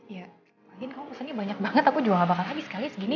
iya makin kamu pesennya banyak banget aku juga gak bakal habis sekali segini